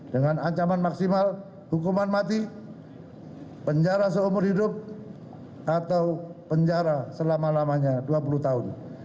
dengan ancaman maksimal hukuman mati penjara seumur hidup atau penjara selama lamanya dua puluh tahun